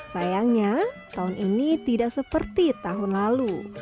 sayangnya tahun ini tidak seperti tahun lalu